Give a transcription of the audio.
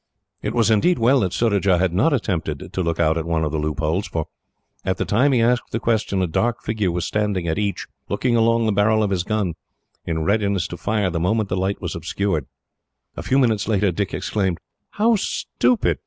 It was indeed well that Surajah had not attempted to look out at one of the loopholes; for, at the time he asked the question, a dark figure was standing at each, looking along the barrel of his gun, in readiness to fire the moment the light was obscured. A few minutes later Dick exclaimed: "How stupid!